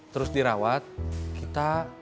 terus dirawat kita